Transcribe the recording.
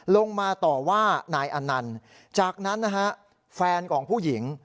ลงมาต่อว่านายอนันต์จากนั้นนะฮะแฟนของผู้หญิง